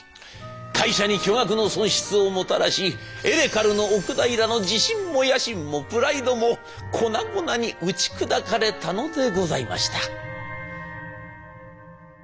会社に巨額の損失をもたらしエレカルの奥平の自信も野心もプライドも粉々に打ち砕かれたのでございました。